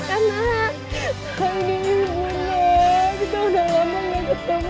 kamu harus berhasil bagus murti